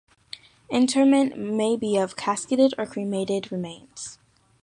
Interment may be of casketed or cremated remains.